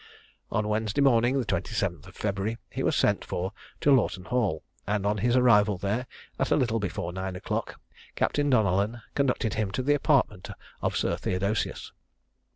On Wednesday morning, the 27th of February, he was sent for to Lawton Hall, and on his arrival there at a little before nine o'clock, Capt. Donellan conducted him to the apartment of Sir Theodosius.